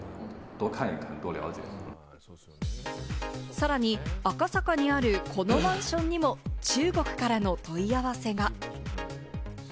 さらに赤坂にあるこのマンションにも中国からの問い合わせが。